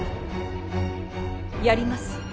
やります。